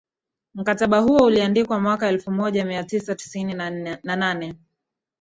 mkataba huo uliandika mwaka elfu moja mia tisa tisini na nane